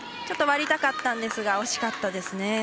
ちょっと割りたかったんですが惜しかったですね。